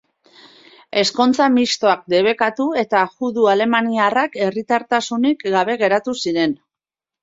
Ezkontza mistoak debekatu eta judu alemaniarrak herritartasunik gabe geratu ziren.